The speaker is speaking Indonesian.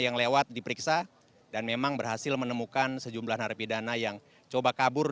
yang lewat diperiksa dan memang berhasil menemukan sejumlah narapidana yang coba kabur